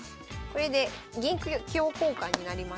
これで銀香交換になりまして。